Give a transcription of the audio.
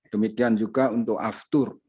demikian juga untuk aftur